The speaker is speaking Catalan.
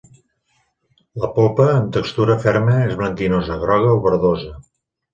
La polpa, amb textura ferma, és blanquinosa, groga o verdosa.